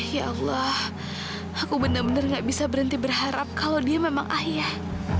ya allah aku benar benar gak bisa berhenti berharap kalau dia memang ayah